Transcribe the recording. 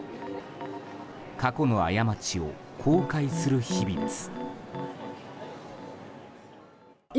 過去の過ちを後悔する日々です。